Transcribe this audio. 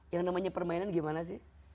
yang namanya permainan gimana sih